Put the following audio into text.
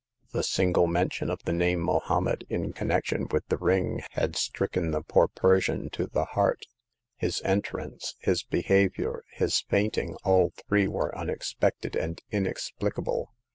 The single mention of the name Mohommed in con nection with the ring had strickaw tVv^ ^^^^S5. r 256 Hagar of the Pawn Shop. Persian to the heart. His entrance, his be havior, his fainting — all three were unexpected and inexplicable.